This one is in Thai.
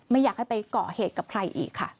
ไม่อยากให้ไปก่อเหตุกับใครอีกค่ะ